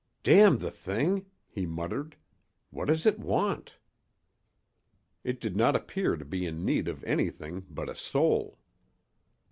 "Damn the thing!" he muttered. "What does it want?" It did not appear to be in need of anything but a soul.